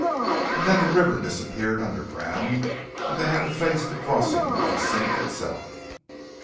And then the river disappeared underground, and they had to face the crossing of the Sink itself.